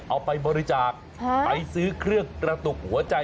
เอาไปบริจาคไปซื้อเครื่องกระตุกหัวใจ